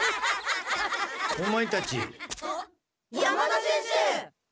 山田先生！